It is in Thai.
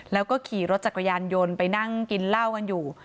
แล้วก็ขี่รถจักรยานยนต์ไปนั่งกินเหล้ากันอยู่